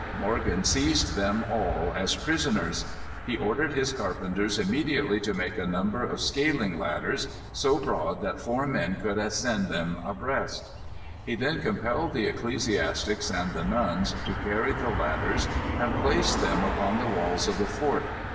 Morgan seized them all as prisoners. He ordered his carpenters immediately to make a number of scaling ladders, so broad that four men could ascend them abreast. He then compelled the ecclesiastics and the nuns to carry the ladders and place them upon the walls of the fort.